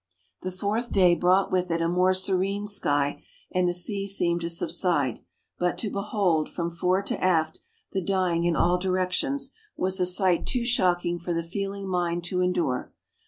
The fourth day brought with it a more serene sky, and the sea seemed to subside, but to behold, from fore to aft, the dying in all directions, was a sight too shocking for the feeling mind to endure.